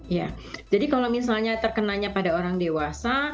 ya jadi kalau misalnya terkenanya pada orang dewasa